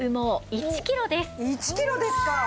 １キロですか！